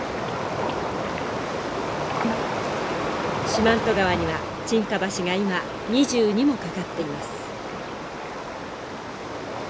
四万十川には沈下橋が今２２も架かっています。